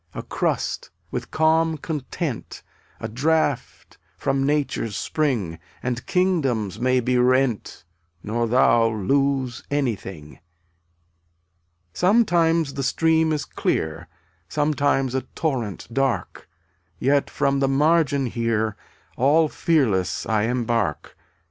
A crust, with calm content, A draught from nature's spring, And kingdoms may be rent Nor thou lose anything. 163 Sometimes the stream is clear, Sometimes a torrent dark, Yet from the margin here All fearless I embark.